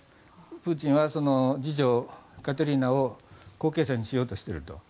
プーチンは次女・カテリーナを後継者にしようとしていると。